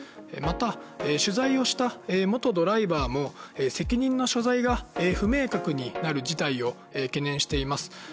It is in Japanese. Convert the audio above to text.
また取材をした元ドライバーも責任の所在が不明確になる事態を懸念しています